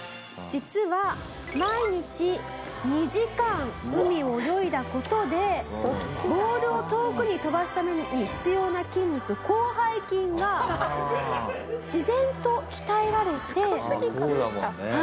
実は毎日２時間海を泳いだ事でボールを遠くに飛ばすために必要な筋肉広背筋が自然と鍛えられて。